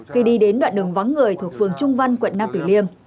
khi đi đến đoạn đường vắng người thuộc phường trung văn quận nam tử liêm